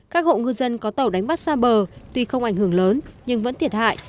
các hộ ngư dân có tàu đánh bắt xa bờ tuy không ảnh hưởng lớn nhưng vẫn thiệt hại